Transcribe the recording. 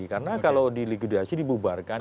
karena kalau di likuidasi dibubarkan